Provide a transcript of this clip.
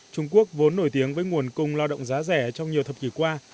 trung quốc vốn nổi tiếng với nguồn cung lao động giá rẻ trong nhiều thập kỷ qua